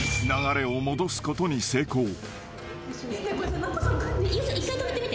流れを戻すことに成功］